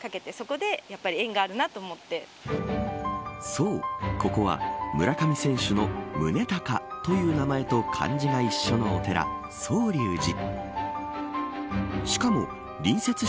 そう、ここは村上選手の宗隆という名前と漢字が一緒のお寺宗隆寺。